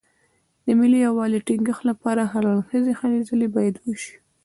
د ملي یووالي ټینګښت لپاره هر اړخیزې هلې ځلې باید وشي.